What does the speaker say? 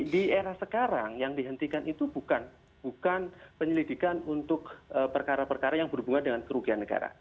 di era sekarang yang dihentikan itu bukan penyelidikan untuk perkara perkara yang berhubungan dengan kerugian negara